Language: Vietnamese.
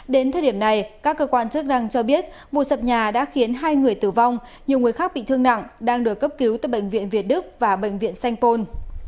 đến thời điểm này các cơ quan chức năng cho biết vụ sập nhà đã khiến hai người tử vong nhiều người khác bị thương nặng đang được cấp cứu tại bệnh viện việt đức và bệnh viện sanh pôn